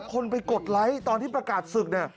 คนไปกดไลค์ตอนที่ประกาศศึก